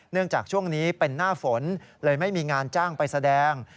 จากช่วงนี้เป็นหน้าฝนเลยไม่มีงานจ้างไปแสดง